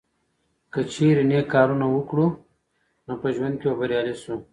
که چیرې نیک کارونه وکړو نو په ژوند کې به بریالي شو.